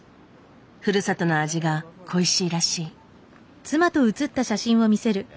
ふるさとの味が恋しいらしい。